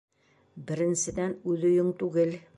Беренсенән, үҙ өйөң түгел...